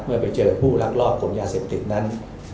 เมื่อไปเจอผู้ลักลอบขนยาเสพติดนั้น